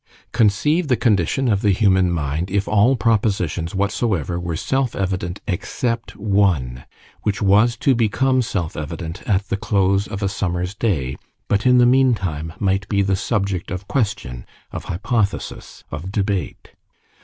Conceive the condition of the human mind if all propositions whatsoever were self evident except one, which was to become self evident at the close of a summer's day, but in the meantime might be the subject of question, of hypothesis, of debate.